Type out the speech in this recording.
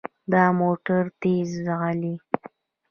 دا موټر تیز ځغلي.